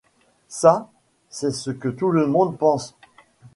Ça, c'est ce que tout le monde pense.